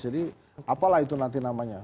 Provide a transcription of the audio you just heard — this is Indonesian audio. jadi apalah itu nanti namanya